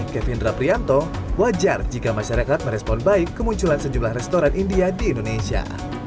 kevin raprianto wajar jika masyarakat merespon baik kemunculan sejumlah restoran india di indonesia